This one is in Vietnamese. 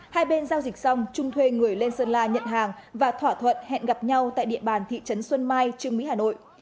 hai bên giao dịch xong trung thuê người lên sơn la nhận hàng và thỏa thuận hẹn gặp nhau tại địa bàn thị trấn xuân mai trương mỹ hà nội